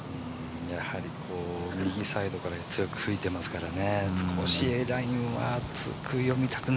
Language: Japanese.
やはり右サイドから強く吹いていますからね。